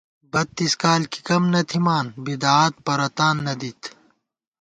بَتّیس کال کی کم نہ تھِمان بدعات پرَتان نہ دِت